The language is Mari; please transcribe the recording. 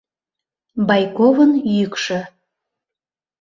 Байковын йӱкшӧ.